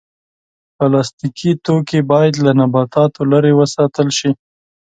پلاستيکي توکي باید له نباتاتو لرې وساتل شي.